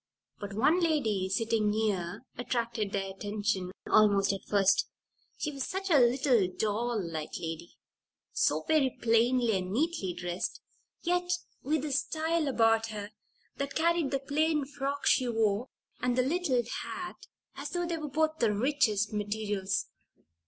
But one lady sitting near attracted their attention almost at first. She was such a little, doll like lady; so very plainly and neatly dressed, yet with a style about her that carried the plain frock she wore, and the little hat, as though they were both of the richest materials.